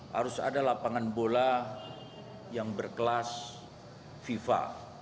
harus ada lapangan bola yang berkelas fifa